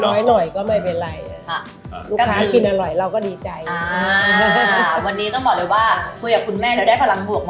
ขอบคุณมากแม่เพิ่มกับเฮ้งชุนเส็งนะครับแวะกันมาด้วยนะครับ